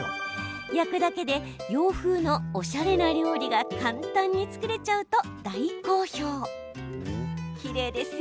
焼くだけで洋風のおしゃれな料理が簡単に作れちゃうと大好評。